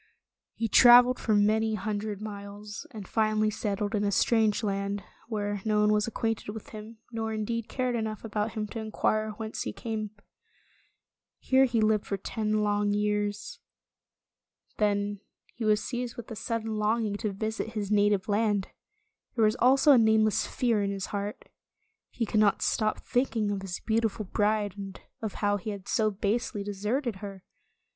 He traveled for many hundred miles, and finally settled in a strange land, where no one was acquainted with him, nor indeed cared enough about him to inquire whence he came. Here he lived for ten long years. Then he was seized with a sudden long ing to visit his native land. There was also a nameless fear in his heart. He could not stop thinking of his beautiful bride, and of how he had so basely de serted her.